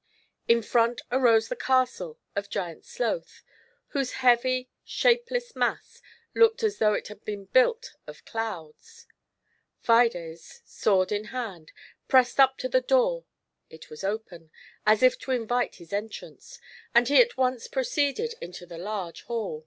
In front arose the castle of Giant Sloth, whose heavy, shape less mass looked as though it had been built of clouds. Fides, sword in hand, pressed up to the door; it was open, as if to invite his entrance, and he at once proceeded into the large haU.